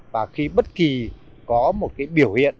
và khi bất kỳ có một cái biểu hiện